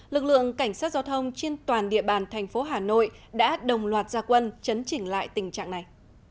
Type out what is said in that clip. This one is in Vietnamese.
lực lượng cảnh sát giao thông trên toàn địa bàn thành phố hà nội đã đồng loạt gia quân chấn chỉnh lại tình trạng này